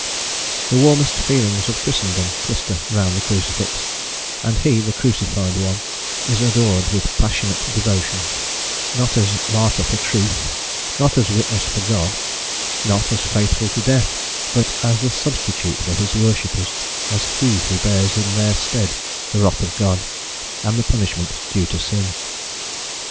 The warmest feelings of Christendom cluster round the Crucifix, and he, the crucified one, is adored with passionate devotion, not as martyr for truth, not as witness for God, not as faithful to death, but as the substitute for his worshippers, as he who bears in their stead the wrath of God, and the punishment due to sin.